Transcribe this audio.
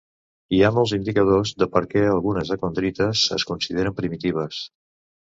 Hi ha molts indicadors de per què algunes acondrites es consideren primitives.